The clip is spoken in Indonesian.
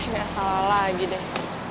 gak salah lagi deh